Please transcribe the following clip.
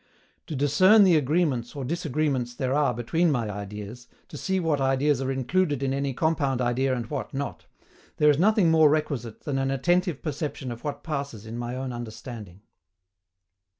To discern the agreements or disagreements there are between my ideas, to see what ideas are included in any compound idea and what not, there is nothing more requisite than an attentive perception of what passes in my own understanding.